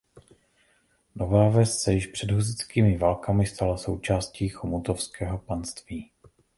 Nová Ves se již před husitskými válkami stala součástí chomutovského panství.